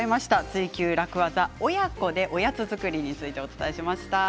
「ツイＱ楽ワザ」親子でおやつ作りについてお伝えしました。